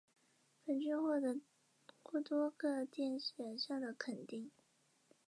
本剧获得过多个电视奖项的肯定。